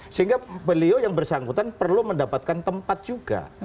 sehingga beliau yang bersangkutan perlu mendapatkan tempat juga